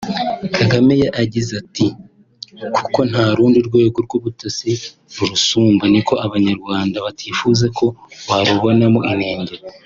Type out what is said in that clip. Kagame yagize ati “ Kuko nta rundi rwego rw’ubutabera rurusumba niko Abanyarwanda batifuza ko barubonamo inenge